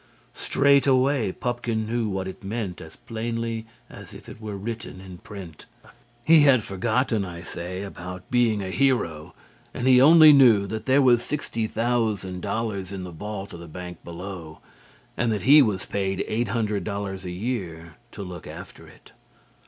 Straight away, Pupkin knew what it meant as plainly as if it were written in print. He had forgotten, I say, about being a hero and he only knew that there was sixty thousand dollars in the vault of the bank below, and that he was paid eight hundred dollars a year to look after it.